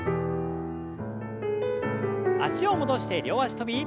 脚を戻して両脚跳び。